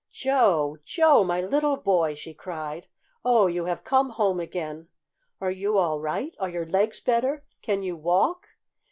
"Joe! Joe, my little boy!" she cried. "Oh, you have come home again! Are you all right? Are your legs better? Can you walk?"